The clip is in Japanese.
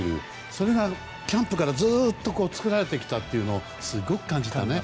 それがキャンプからずっと作られてきたというのを